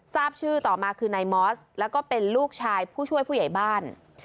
ทราบชื่อต่อมาคือนายมอสแล้วก็เป็นลูกชายผู้ช่วยผู้ใหญ่บ้าน